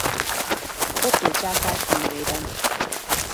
Ottó császár címerében.